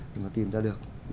nhưng mà tìm ra được